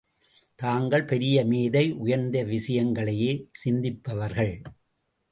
தாங்கள் பெரிய மேதை உயர்ந்த விஷயங்களையே சிந்திப்பவர்கள்.